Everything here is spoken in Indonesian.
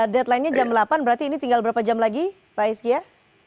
deadlinenya jam delapan berarti ini tinggal berapa jam lagi pak hizkiyah